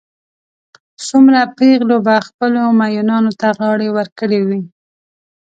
څومره پېغلو به خپلو مئینانو ته غاړې ورکړې وي.